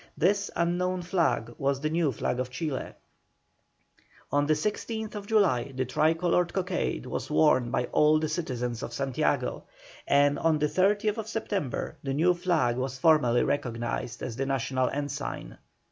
This unknown flag was the new flag of Chile. On the 16th July the tricoloured cockade was worn by all the citizens of Santiago, and on the 30th September the new flag was formally recognised as the national ensign.